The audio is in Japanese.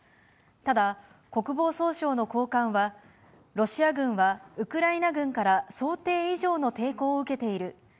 ただ国防総省の高官は、ロシア軍はウクライナ軍から想定以上の抵抗を受けている。